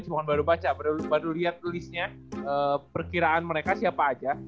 semoga baru baca baru liat list nya perkiraan mereka siapa aja